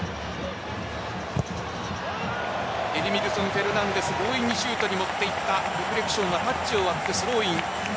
フェルナンデス強引にシュートに持っていったリフレクションはタッチを割ってスローイン。